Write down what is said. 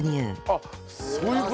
あっそういう事？